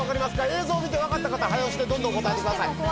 映像見て分かった方早押しでどんどん答えてください。